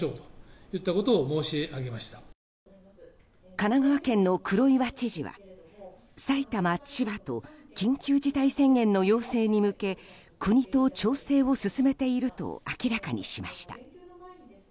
神奈川県の黒岩知事は埼玉、千葉と緊急事態宣言の要請に向け国と調整を進めていると明らかにしました。